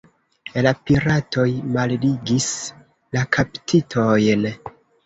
La piratoj malligis la kaptitojn.